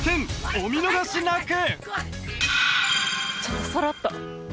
お見逃しなく！